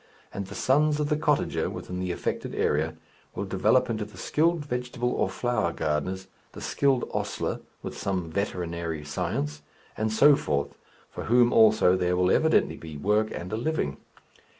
And the sons of the cottager within the affected area will develop into the skilled vegetable or flower gardeners, the skilled ostler with some veterinary science and so forth, for whom also there will evidently be work and a living.